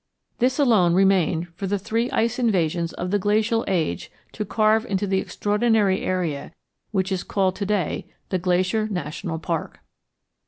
This alone remained for the three ice invasions of the Glacial Age to carve into the extraordinary area which is called to day the Glacier National Park.